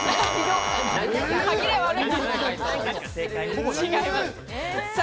歯切れ悪い。